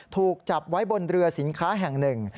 ถูกจับไว้บนเรือสินค้าแห่งหนึ่ง